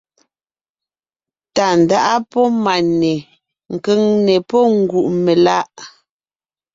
Tàndáʼa pɔ́ Máne; Kʉ̀ŋne pɔ́ Ngùʼmelaʼ.